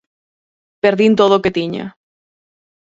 Perdín todo o que tiña.